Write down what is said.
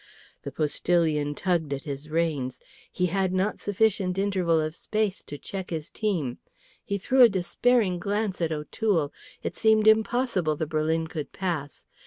The postillion tugged at his reins; he had not sufficient interval of space to check his team; he threw a despairing glance at O'Toole. It seemed impossible the berlin could pass.